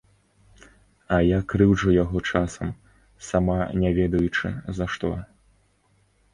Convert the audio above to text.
А я крыўджу яго часам, сама не ведаючы, за што.